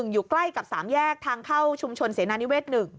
อยู่ใกล้กับ๓แยกทางเข้าชุมชนเสนานิเวศ๑